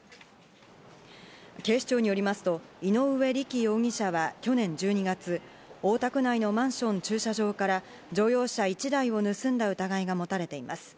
警視庁によりますと、井上力容疑者は去年１２月、大田区内のマンション駐車場から乗用車１台を盗んだ疑いが持たれています。